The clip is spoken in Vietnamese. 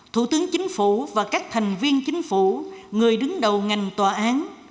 thủ tướng chính phủ và các thành viên chính phủ người đứng đầu ngành tòa án